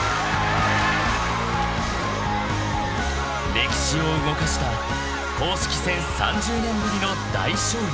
［歴史を動かした公式戦３０年ぶりの大勝利］